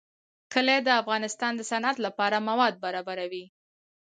کلي د افغانستان د صنعت لپاره مواد برابروي.